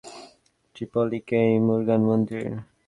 ট্রিপলিকেন, মুরুগান মন্দির।